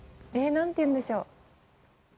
えっ何て言うんでしょう？